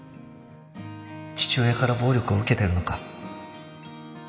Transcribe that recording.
父親から暴力を受けてるのか？